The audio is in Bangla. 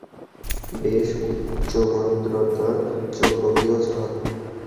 বেশ উচ্চমাত্ত্রার চৌম্বকীয় ঝড়!